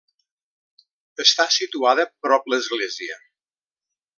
Està situada prop l'església.